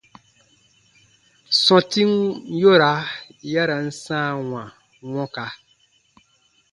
Sɔ̃tin yora ya ra n sãawa wɔ̃ka.